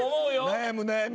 悩む悩む。